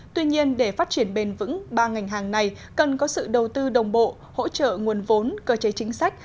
tuy nhiên để phát triển bền vững ba ngành hàng này cần có sự đầu tư đồng bộ hỗ trợ nguồn vốn cơ chế chính sách